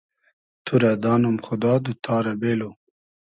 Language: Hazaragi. تو رۂ دانوم خودا دوتتا رۂ بېلو